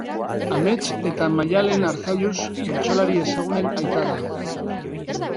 Amets eta Maddalen Arzallus bertsolari ezagunen aita da.